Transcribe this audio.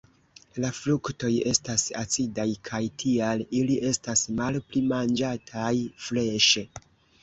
La fruktoj estas acidaj kaj tial ili estas malpli manĝataj freŝe.